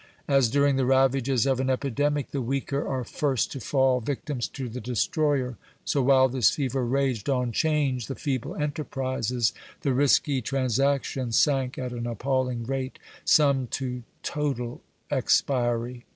As during the ravages of an epidemic the weaker are first to fall victims to the destroyer, so while this fever raged on 'Change, the feeble enterprises, the "risky" transactions, sank at an appalling rate, some to total expiry.